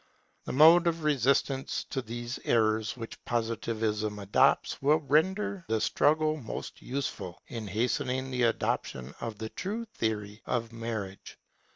The mode of resistance to these errors which Positivism adopts will render the struggle most useful in hastening the adoption of the true theory of marriage.